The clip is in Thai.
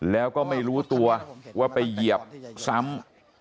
แล้วก็ไม่รู้ตัวว่าไปเหยียบซ้ำ